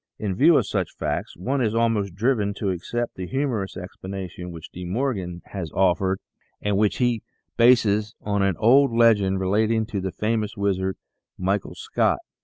In view of such facts one is almost driven to accept the humorous explanation which De Morgan has offered and which he bases on an old legend relating to the famous wizard, Michael Scott.